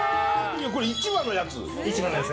これ、市場のやつ。